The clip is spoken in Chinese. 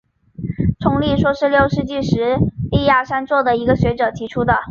冲力说是六世纪时亚历山卓的一个学者提出的。